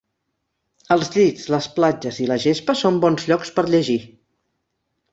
Els llits, les platges i la gespa són bons llocs per llegir.